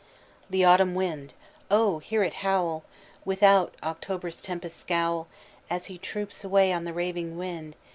"The autumn wind oh hear it howl: Without October's tempests scowl, As he troops away on the raving wind!